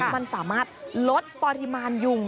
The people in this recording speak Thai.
มันสามารถลดปริมาณยุง